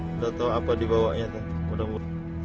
buaya berenang udah tau apa dibawanya